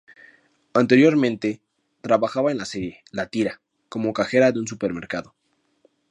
Anteriormente trabajaba en la serie "La tira" como cajera de un supermercado.